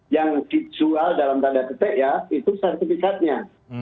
yang dijual dalam tanda petik ya itu sertifikatnya